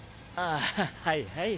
あはいはい。